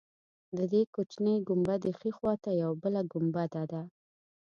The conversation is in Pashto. د دې کوچنۍ ګنبدې ښی خوا ته یوه بله ګنبده ده.